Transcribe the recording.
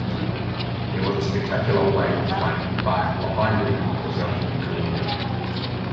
There was a spectacular wave of flame but, behind it, was relatively cool air.